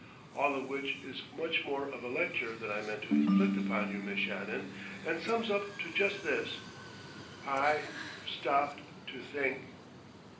All of which is much more of a lecture than I meant to inflict upon you, Miss Shannon, and sums up to just this: I've stopped to think...."